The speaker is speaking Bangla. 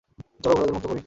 চলো, ঘোড়াদের মুক্ত করি।